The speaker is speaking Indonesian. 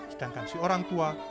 sedangkan si orang tua